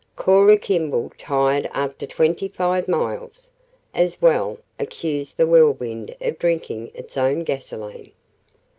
Cora Kimball tired after twenty five miles! As well accuse the Whirlwind of drinking its own gasoline.